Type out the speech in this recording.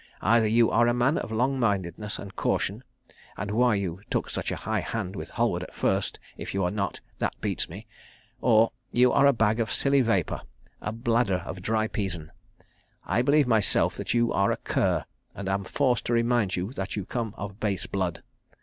Either you are a man of long mindedness and caution and why you took such a high hand with Halward at first if you are not, that beats me or you are a bag of silly vapour, a bladder of dry peasen. I believe myself, that you are a cur, and am forced to remind you that you come of base blood.